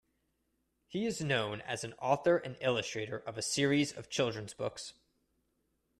He is known as an author and illustrator of a series of children's books.